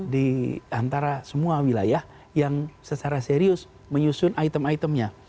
di antara semua wilayah yang secara serius menyusun item itemnya